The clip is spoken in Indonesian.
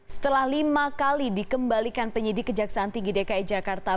setelah lima kali dikembalikan penyidik kejaksaan tinggi dki jakarta